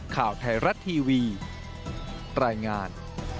ข่าวไทยรัตน์ทีวีแรงงาน